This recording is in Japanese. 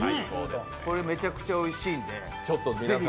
これめちゃくちゃおいしいんで、ぜひ。